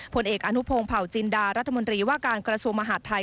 ผลเอกอนุพงศ์เผาจินดารัฐมนตรีว่าการกระทรวงมหาดไทย